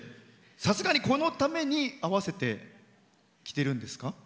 さすがに、このために合わせて着てるんですか？